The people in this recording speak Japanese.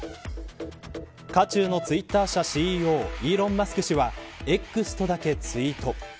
渦中のツイッター社ＣＥＯイーロン・マスク氏はＸとだけツイート。